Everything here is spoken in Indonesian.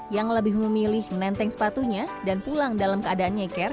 yang lebih memilih menenteng sepatunya dan pulang dalam keadaannya